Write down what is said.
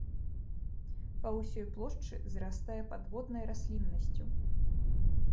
Па ўсёй плошчы зарастае падводнай расліннасцю.